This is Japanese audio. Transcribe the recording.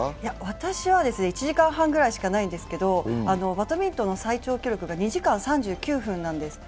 私は１時間半ぐらいしかないんですけどバドミントンの最長記録が２時間３９分なんです。